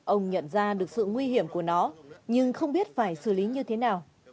ông nhận ra được sự nguy hiểm của nó nhưng không biết phải xử lý như thế nào